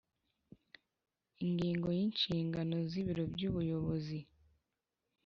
Ingingo ya Inshingano z Ibiro by Ubuyobozi